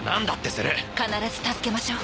「必ず助けましょう」